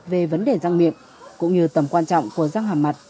về vấn đề răng miệng cũng như tầm quan trọng của răng hàm mặt